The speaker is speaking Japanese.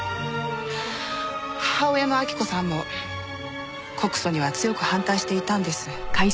母親の晃子さんも告訴には強く反対していたんです。